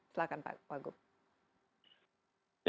silahkan pak wagub